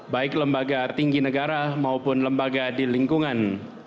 baik lembaga tinggi negara maupun lembaga di lingkungan